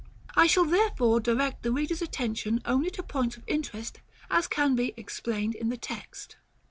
I shall therefore direct the reader's attention only to points of interest as can be explained in the text.